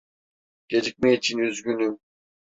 Gecikme için üzgünüm.